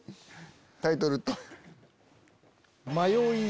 タイトル。